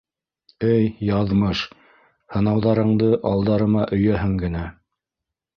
Эй Яҙмыш! һынауҙарыңды алдарыма өйә генәһең!